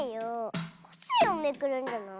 コッシーをめくるんじゃない？